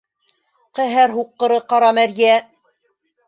Ҡәһәр һуҡҡыры, ҡара мәрйә!